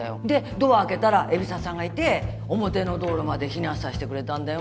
ドア開けたら海老沢さんがいて表の道路まで避難させてくれたよ